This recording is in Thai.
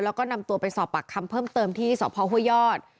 แล้วก็นำตัวไปสอบปากคำเพิ่มเติมที่สพห้วยยอด